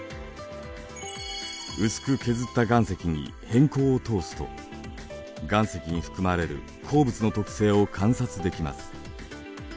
薄く削った岩石に偏光を通すと岩石に含まれる鉱物の特性を観察できます。